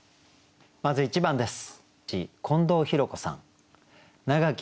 まず１番です。